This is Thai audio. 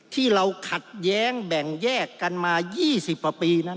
ที่เราขัดแย้งแบ่งแยกกันมา๒๐กว่าปีนั้น